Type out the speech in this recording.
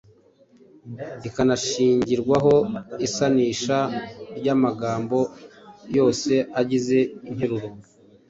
ikanashingirwaho isanisha ry’amagambo yose agize interuro.